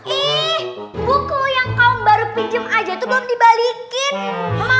ini buku yang kaum baru pinjem aja tuh belum dibalikin